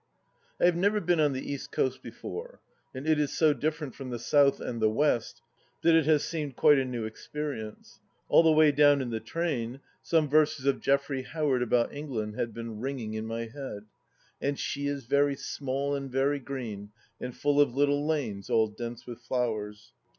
I HAVE never been on the East Coast before, and it is so different from the South and the West that it has seemed quite a new experience. All the way down in the train some verses of Geoffrey Howard about England had been ringing in my head :" And she is very small and very green. And full of little lanes all dense with flowers."